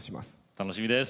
楽しみです。